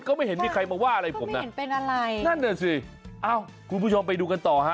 ก็ไม่เห็นมีใครมาว่าอะไรผมนะนั่นแหละสิคุณผู้ชมไปดูกันต่อ